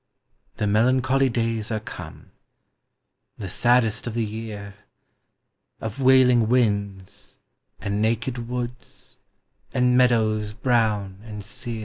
The melancholy days are come, the Baddesl of the year, Of wailing winds, and naked woods, and meadowi brown and sear.